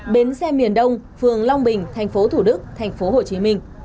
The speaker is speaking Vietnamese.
bến xe miền đông phường long bình tp thủ đức tp hcm